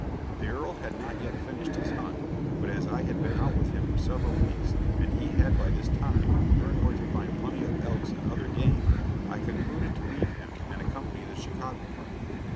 The Earl had not yet finished his hunt, but as I had been out with him for several weeks, and he had by this time learned where to find plenty of elks and other game, I concluded to leave him and accompany the Chicago party.